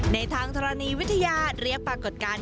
ในทางธรณีวิทยาเรียกปรากฏการณ์